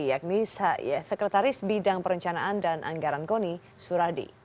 yakni sekretaris bidang perencanaan dan anggaran koni suradi